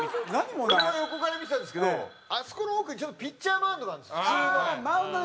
俺は横から見てたんですけどあそこの奥ちょうどピッチャーマウンドなんですよ普通の。